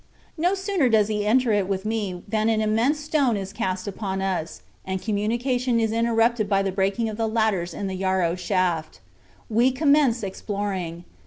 No sooner does he enter it with me than an immense stone is cast upon us, and communication is interrupted by the breaking of the ladders in the Yarrow shaft. We commence exploring.